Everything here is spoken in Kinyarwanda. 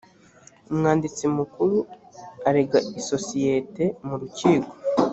umwanditsi mukuru arega isosiyete mu rukiko